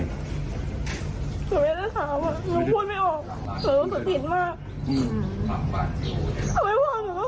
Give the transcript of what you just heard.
ผมไม่ได้ถามอ่ะผมพูดไม่ออกผมรู้สึกผิดมากอืม